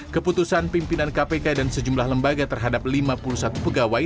keputusan pimpinan kpk dan sejumlah lembaga terhadap lima puluh satu pegawai